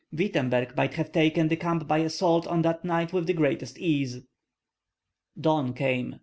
Wittemberg might have taken the camp by assault on that night with the greatest ease. Dawn came.